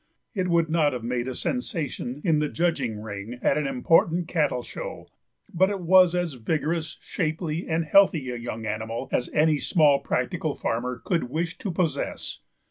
It would not have made a sensation in the judging ring at an important cattle show, but it was as vigorous, shapely, and healthy a young animal as any small practical farmer could wish to possess.